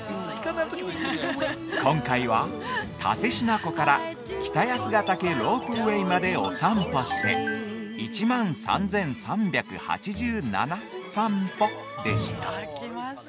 ◆今回は、蓼科湖から北八ヶ岳ロープウェイまでお散歩して、１万３３８７さん歩でした。